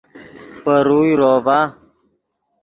پے روئے روڤا